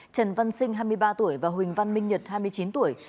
trần văn sinh hai mươi ba tuổi và huỳnh văn minh nhật hai mươi chín tuổi